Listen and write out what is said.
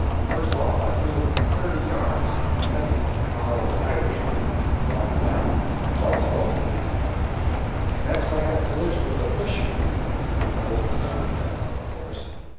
First off, I flew thirty yards, and then fouled an Irishman and brought him down—brought us both down, in fact. Next, I had a collision with a Bishop—and bowled him down, of course.